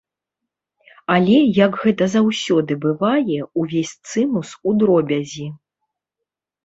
Але, як гэта заўсёды бывае, увесь цымус у дробязі.